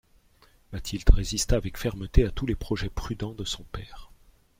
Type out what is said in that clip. Mathilde résista avec fermeté à tous les projets prudents de son père.